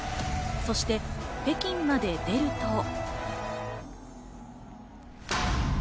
そして北京まで出ると。